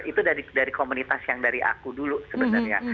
itu dari komunitas yang dari aku dulu sebenarnya